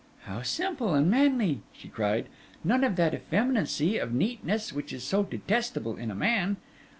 'How simple and manly!' she cried: 'none of that effeminacy of neatness, which is so detestable in a man!